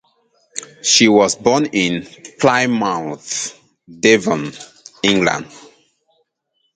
She was born in Plymouth, Devon, England.